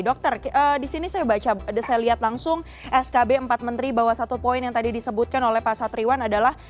dokter disini saya lihat langsung skb empat menteri bahwa satu poin yang tadi disebutkan oleh pak satriwan adalah